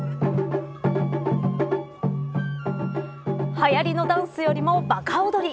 はやりのダンスよりも馬鹿踊り。